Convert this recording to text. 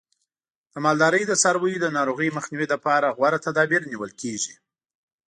د مالدارۍ د څارویو د ناروغیو مخنیوي لپاره غوره تدابیر نیول کېږي.